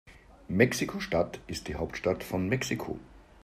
Mexiko-Stadt ist die Hauptstadt von Mexiko.